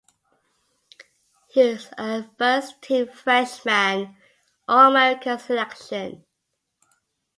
He was a first-team Freshman All-America selection.